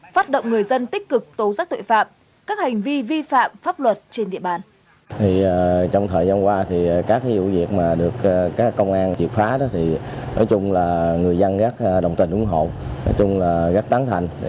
phát động người dân tích cực tố giác tội phạm các hành vi vi phạm pháp luật trên địa bàn